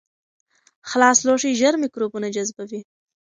خلاص لوښي ژر میکروبونه جذبوي.